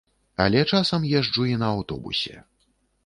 Але часам езджу і на аўтобусе.